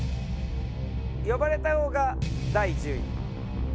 呼ばれた方が第１０位。